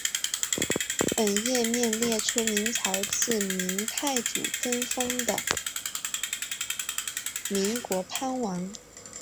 本页面列出明朝自明太祖分封的岷国藩王。